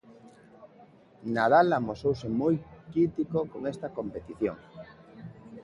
Nadal amosouse moi crítico con esta competición.